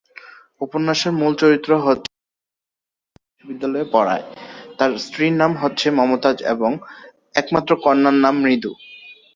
উপন্যাসটির মূল চরিত্র হচ্ছে রাশেদ যে ঢাকা বিশ্ববিদ্যালয়ে পড়ায়, তার স্ত্রীর নাম হচ্ছে মমতাজ এবং একমাত্র কন্যার নাম মৃদু।